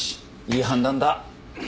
いい判断だ。